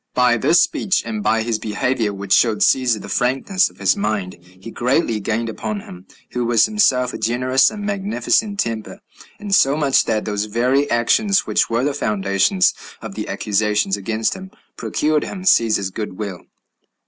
7. By this speech, and by his behavior, which showed Cæsar the frankness of his mind, he greatly gained upon him, who was himself of a generous and magnificent temper, insomuch that those very actions, which were the foundation of the accusation against him, procured him Cæsar's good will.